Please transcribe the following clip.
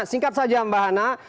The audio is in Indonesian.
singkat saja mbah hana